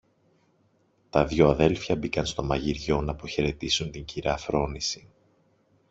Τα δυο αδέλφια μπήκαν στο μαγειριό ν' αποχαιρετήσουν την κυρα-Φρόνηση